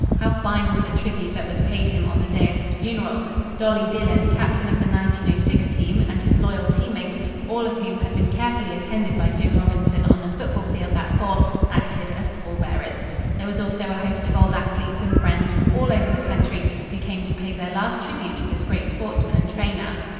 How fine was the tribute that was paid him on the day of his funeral! Dolly Dillon, captain of the 1906 team, and his loyal team mates, all of whom had been carefully attended by Jim Robinson on the football field that fall, acted as pallbearers. There was also a host of old athletes and friends from all over the country who came to pay their last tribute to this great sportsman and trainer.